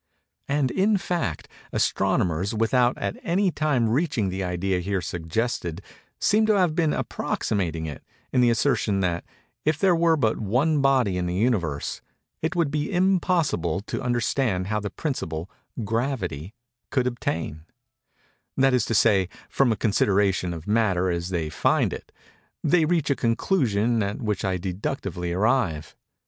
And, in fact, astronomers, without at any time reaching the idea here suggested, seem to have been approximating it, in the assertion that "if there were but one body in the Universe, it would be impossible to understand how the principle, Gravity, could obtain:"—that is to say, from a consideration of Matter as they find it, they reach a conclusion at which I deductively arrive.